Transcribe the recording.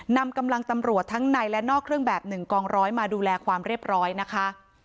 นำกำลังตำรวจทั้งในและนอกเครื่องแบบ๑กองร้อยมาดูแลความเรียบร้อยนะคะ